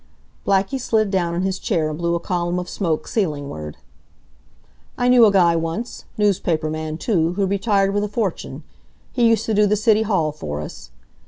Blackie slid down in his chair and blew a column of smoke ceilingward. "I knew a guy once newspaper man, too who retired with a fortune. He used to do the city hall for us.